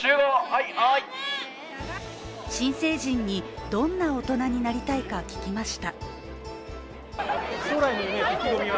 新成人にどんな大人になりたいか聞きました。